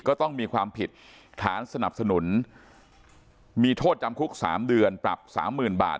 ก็ต้องมีความผิดฐานสนับสนุนมีโทษจำคุก๓เดือนปรับสามหมื่นบาท